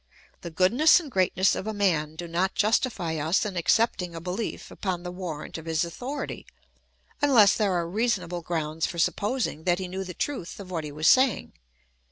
The goodness and greatness of a man do not justify us in accepting a behef upon the warrant of his authority, unless there are reasonable grounds for supposing that he knew the truth of what he was saying.